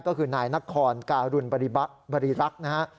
ก็คือนายนครกรุณบริลักษณ์